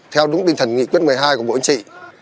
theo đúng bình thần nghị quyết một mươi hai của bộ chỉ